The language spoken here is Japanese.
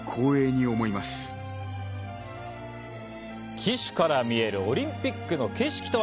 旗手から見えるオリンピックの景色とは